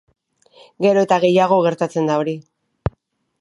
Gero eta gehiago gertatzen da hori.